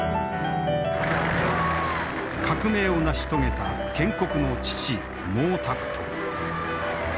革命を成し遂げた建国の父毛沢東。